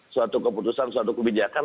suatu keputusan suatu kebijakan